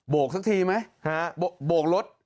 โบกสักทีไหมโบกลด